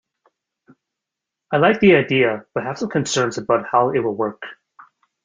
I like the idea but have some concerns about how it will work.